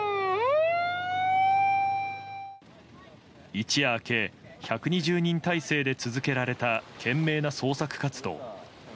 一夜明け１２０人態勢で続けられた懸命な捜索活動。